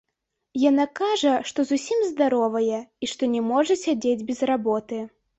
Яна кажа, што зусім здаровая і што не можа сядзець без работы.